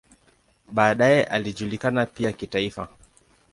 Baadaye alijulikana pia kitaifa.